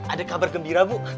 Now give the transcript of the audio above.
ada kabar gembira bu